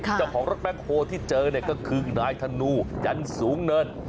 เจ้าของรถแบ็คโฮที่เจอเนี่ยก็คือนายธนูจันสูงเนิน